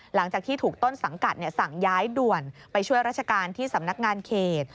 หลังจากที่ถูกต้นสังกัดสั่งย้ายด่วนไปช่วยราชการที่สำนักงานเขต